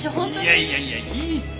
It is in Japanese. いやいやいやいいって。